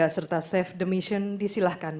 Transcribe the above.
serta sef demysian disilahkan